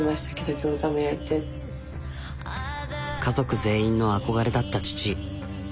家族全員の憧れだった父。